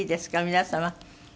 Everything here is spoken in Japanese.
皆様。